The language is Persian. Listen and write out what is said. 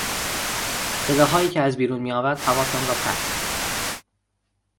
صداهایی که از بیرون میآمد حواسم را پرت کرد.